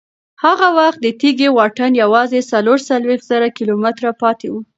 هغه وخت د تېږې واټن یوازې څلور څلوېښت زره کیلومتره پاتې و.